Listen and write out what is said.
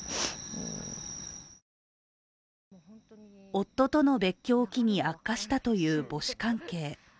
夫との別居を機に悪化したという母子関係。